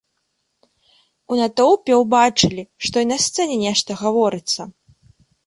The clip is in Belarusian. У натоўпе ўбачылі, што й на сцэне нешта гаворыцца.